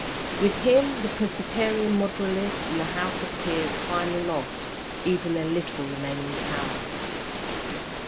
With him the Presbyterian moderatists and the House of Peers finally lost even their little remaining power.